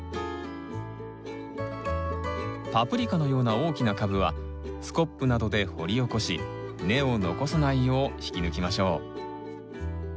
パプリカのような大きな株はスコップなどで掘り起こし根を残さないよう引き抜きましょう。